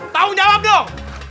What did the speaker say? tahu jawab dong